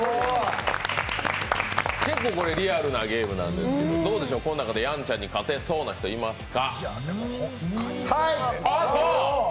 結構、リアルなゲームなんですけど、この中でやんちゃんに勝てそうな人、いますか？